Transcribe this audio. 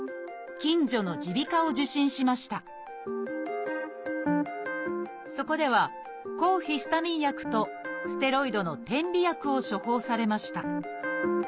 近所のそこでは抗ヒスタミン薬とステロイドの点鼻薬を処方されました。